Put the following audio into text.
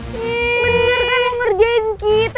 bener kamu ngerjain kita